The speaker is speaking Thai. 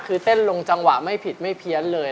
คือเต้นลงจังหวะไม่ผิดไม่เพี้ยนเลย